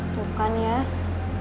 tuh kan yes